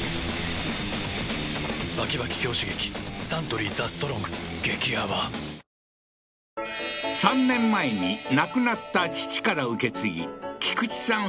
サントリー「ＴＨＥＳＴＲＯＮＧ」激泡３年前に亡くなった父から受け継ぎ菊池さん